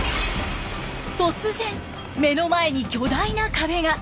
突然目の前に巨大な壁が。